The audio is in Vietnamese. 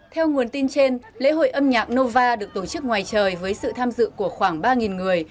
theo nguồn tin trên lễ hội âm nhạc nova được tổ chức ngoài trời với sự tham dự của khoảng ba người